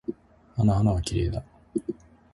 あの花はきれいだ。